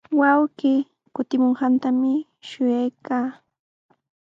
Wawqii kutimunantami shuyaykaa.